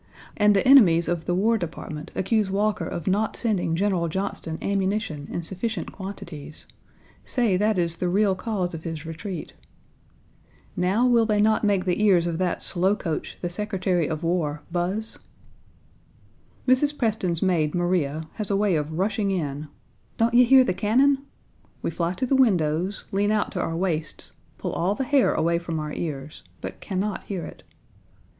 And the enemies of the War Department accuse Walker of not sending General Johnston ammunition in sufficient quantities; say that is the real cause of his retreat. Now will they not make the ears of that slow coach, the Secretary of War, buzz? Mrs. Preston's maid Maria has a way of rushing in "Don't you hear the cannon?" We fly to the windows, lean out to our waists, pull all the hair away from our ears, but can not hear it.